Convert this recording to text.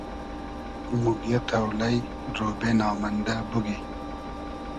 موگیۂ تۆلݷ , رۉبې نامئندۂ بوگی